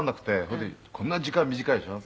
「それでこんな時間短いでしょ？